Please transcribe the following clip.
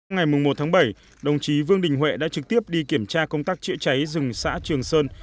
ngày một tháng bảy đồng chí vương đình huệ đã trực tiếp đi kiểm tra công tác chữa cháy rừng xã trường sơn